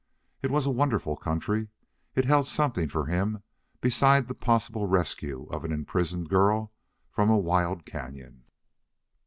It was a wonderful country. It held something for him besides the possible rescue of an imprisoned girl from a wild cañon.